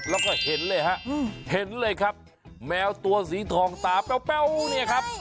แล้วก็เห็นเลยครับแมวตัวสีทองตาเป้าเนี่ยครับ